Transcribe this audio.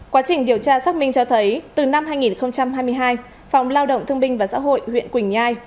quá trình điều tra xác minh cho thấy từ năm hai nghìn hai mươi hai phòng lao động thương binh và xã hội huyện quỳnh nhai